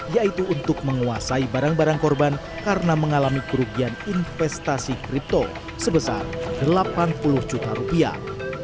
yaitu untuk menguasai barang barang korban karena mengalami kerugian investasi kripto sebesar delapan puluh juta rupiah